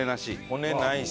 骨ないし。